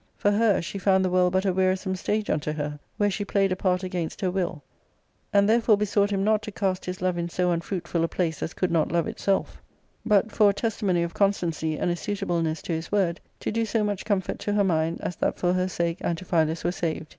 For her, she found the world but a wearisome stage unto her, where she played a part against her will, and therefore besought him not to cast his love in so unfruitful a place as could not love itself, but, for a testimony of constancy and a suitableness to his word, to do so much comfort to her mind as that for her sake Anti philus were saved.